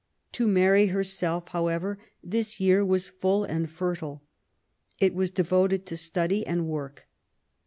To Mary, herself, however, this year was full and fertile. It was devoted to study and work.